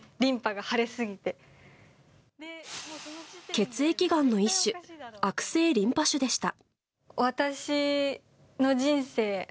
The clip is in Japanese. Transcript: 血液がんの一種悪性リンパ腫でした。